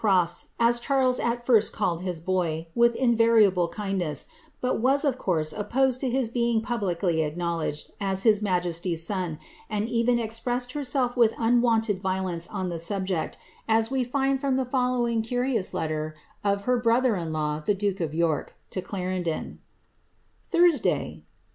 '* Catharine treated young Crofts, as Charles at first called his boy, with invariable kindness, but was of course opposed to his being publicly acknowledged as his majesty's son, and even expressed herself with oo wonied violence on the subject, as we find from the following coriouf letter of her brother in law the duke of York^ to Qarendon >^♦* Thuradtf